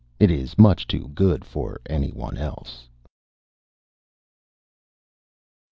it is much too good for anyone else!